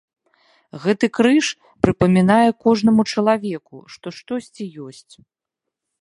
Гэты крыж прыпамінае кожнаму чалавеку, што штосьці ёсць.